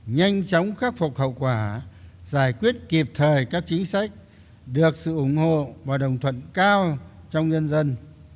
nhanh chóng khắc phục hậu quả giải quyết kịp thời các chính sách được sự ủng hộ và đồng thuận cao trong nhân dân